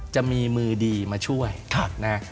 จะมีมือดีมาช่วยนะ